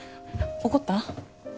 怒った？